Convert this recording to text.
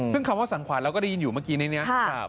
ซึ่งคำว่าสังขวานเราก็ได้ยินอยู่เมื่อกี้ในนี้